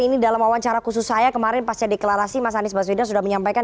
ini dalam wawancara khusus saya kemarin pasca deklarasi mas anies baswedan sudah menyampaikan